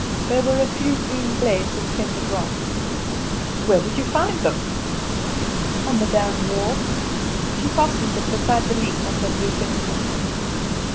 There were a few green blades of tender grass. "Where did you find them?" "On the dam wall." She fastened them beside the leaf on her blue pinafore.